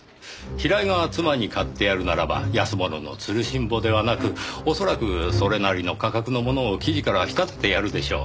平井が妻に買ってやるならば安物の吊るしんぼではなく恐らくそれなりの価格のものを生地から仕立ててやるでしょう。